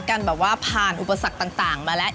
กันแบบว่าผ่านอุปสรรคต่างมาแล้ว